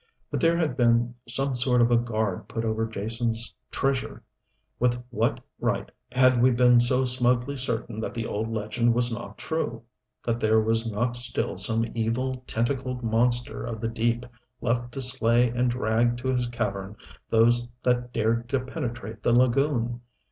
But there had been some sort of a guard put over Jason's treasure! With what right had we been so smugly certain that the old legend was not true that there was not still some evil, tentacled monster of the deep left to slay and drag to his cavern those that dared to penetrate the lagoon.